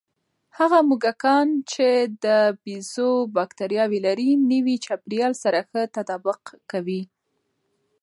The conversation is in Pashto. هغه موږکان چې د بیزو بکتریاوې لري، نوي چاپېریال سره ښه تطابق کوي.